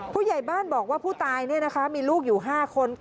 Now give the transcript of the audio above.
ผู้ใหญ่บ้านบอกว่าผู้ตายมีลูกอยู่๕คน